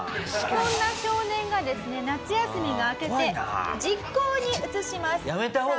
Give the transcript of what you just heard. そんな少年がですね夏休みが明けて実行に移します。